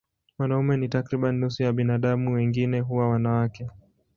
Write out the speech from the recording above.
Wanaume ni takriban nusu ya binadamu, wengine huwa wanawake.